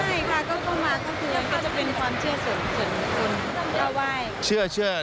ไหว้ค่ะก็มาเข้าคืนก็จะเป็นความเชื่อส่วนบุคคล